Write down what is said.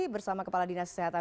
bersama kepala dinas kesehatan